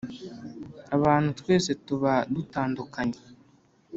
Abantu twese tuba dutandukanye